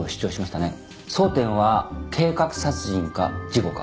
争点は計画殺人か事故か。